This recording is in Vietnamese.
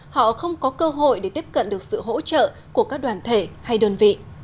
họ không có cơ hội để tiếp cận được sự hỗ trợ của các đoàn thể hay đơn vị